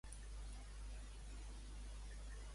Quin plat tenim programat per desdejunar demà?